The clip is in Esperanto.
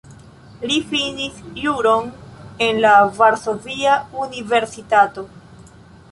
Li finis juron en la Varsovia Universitato.